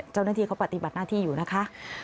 เจ้าหน้าที่เขาปฏิบัติหน้าที่อยู่นะคะ